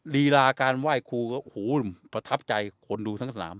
ลีราการไหว่คูที่อยู่หูประทับใจพวกทางสนาม